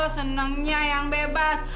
senangnya yang bebas